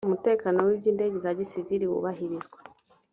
umutekano w iby indege za gisivili wubahirizwa